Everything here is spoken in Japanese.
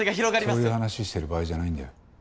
そういう話してる場合じゃないんだよ。